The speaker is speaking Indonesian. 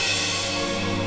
kenapa dengan aku